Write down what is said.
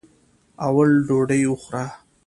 اول ډوډۍ وخوره.